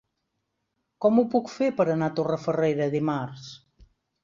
Com ho puc fer per anar a Torrefarrera dimarts?